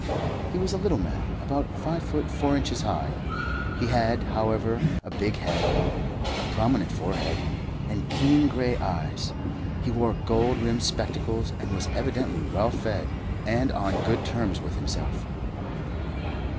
He was a little man, about five feet four inches high. He had, however, a big head, a prominent forehead, and keen grey eyes. He wore gold rimmed spectacles, and was evidently well fed and on good terms with himself.